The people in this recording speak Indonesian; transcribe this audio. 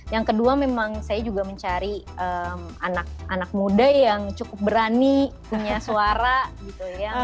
yang kedua memang saya juga mencari anak anak muda yang cukup berani punya suara gitu ya